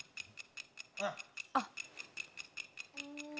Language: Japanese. あっ。